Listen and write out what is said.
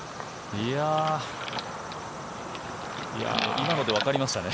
今のでわかりましたね。